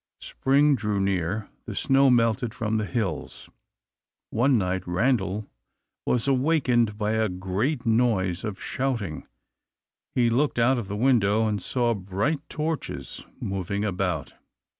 Spring drew near, the snow melted from the hills. One night Randal was awakened by a great noise of shouting; he looked out of the window, and saw bright torches moving about.